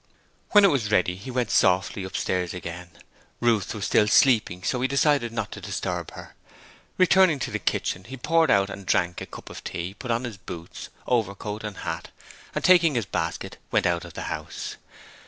When it was ready he went softly upstairs again. Ruth was still sleeping, so he decided not to disturb her. Returning to the kitchen, he poured out and drank a cup of tea, put on his boots, overcoat and hat and taking his basket went out of the house.